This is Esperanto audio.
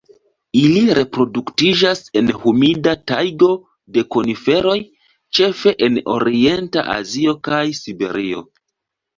Ili reproduktiĝas en humida tajgo de koniferoj, ĉefe en orienta Azio kaj Siberio.